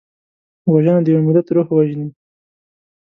وژنه د یو ملت روح وژني